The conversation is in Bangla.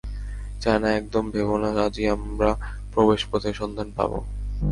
চায়না একদম ভেবো না, আজই আমরা প্রবেশপথের সন্ধান পাবো!